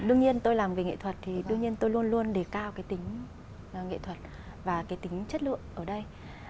đương nhiên tôi làm về nghệ thuật thì đương nhiên tôi luôn luôn đề cao cái tính nghệ thuật và cái tính chất lượng ở đây